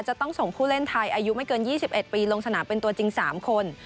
จะต้องส่งผู้เล่นไทยอายุไม่เกิน๒๑ปีลงสนามเป็นตัวจริง๓คน